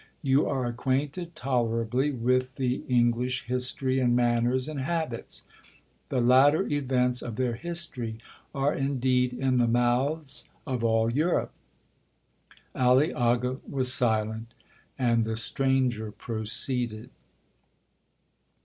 You are acquainted tolerably with the English history, and manners, and habits; the latter events of their history are indeed in the mouths of all Europe.' Aliaga was silent, and the stranger proceeded.